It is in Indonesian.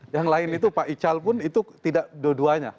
yang lain itu pak ical pun itu tidak dua duanya